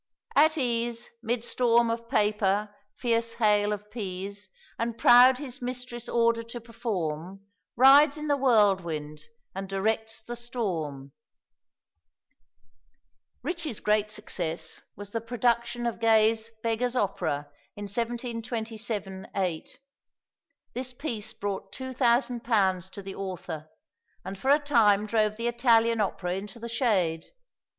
"At ease 'Midst storm of paper fierce hail of pease, And proud his mistress' order to perform, Rides in the whirlwind and directs the storm." Rich's great success was the production of Gay's Beggars' Opera in 1727 8. This piece brought £2000 to the author, and for a time drove the Italian Opera into the shade.